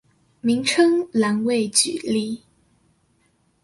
名稱欄位舉例